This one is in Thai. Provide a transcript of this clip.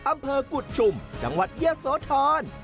อำเภอกุฎชุมจังหวัดเยอะโสธร